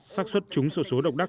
sắc xuất chúng sổ số độc đắc